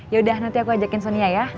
yaudah nanti aku ajakin sonia ya